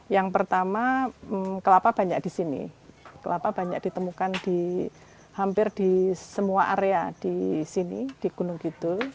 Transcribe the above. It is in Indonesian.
yang pertama kelapa banyak di sini kelapa banyak ditemukan di hampir di semua area di sini di gunung gitu